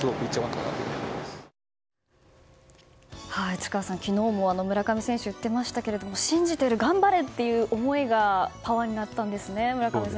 内川さん、昨日も村上選手が言ってましたが信じている、頑張れという思いがパワーになったんですね